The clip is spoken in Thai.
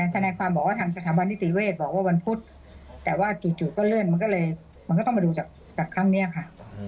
ทนายความบอกว่าทางสถาบันนิติเวศบอกว่าวันพุธแต่ว่าจู่ก็เลื่อนมันก็เลยมันก็ต้องมาดูกับครั้งนี้ค่ะ